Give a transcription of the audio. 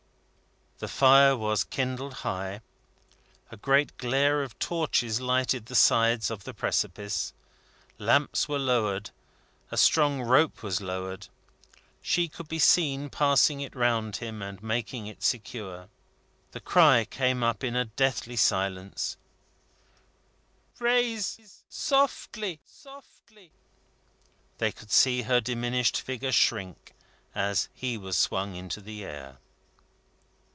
The fire was kindled high, a great glare of torches lighted the sides of the precipice, lamps were lowered, a strong rope was lowered. She could be seen passing it round him, and making it secure. The cry came up into a deathly silence: "Raise! Softly!" They could see her diminished figure shrink, as he was swung into the air.